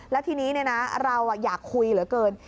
แล้วทีนี้เราอยากคุยเหลือเกิน